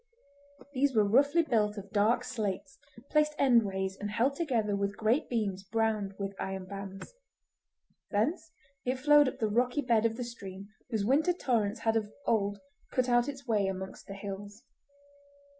These were roughly built of dark slates placed endways and held together with great beams bound with iron bands. Thence, it flowed up the rocky bed of the stream whose winter torrents had of old cut out its way amongst the hills.